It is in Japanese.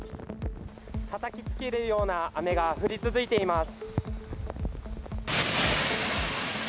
たたきつけるような雨が降り続いています。